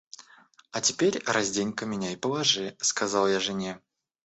— А теперь раздень-ка меня и положи, — сказал я жене.